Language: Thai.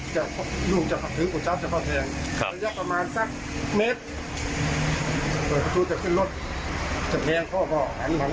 ลูกจะขับถึงลูกจะเข้าแทง